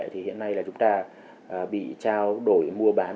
thì hiện nay là chúng ta bị trao đổi mua bán